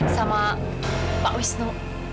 sama pak wisnu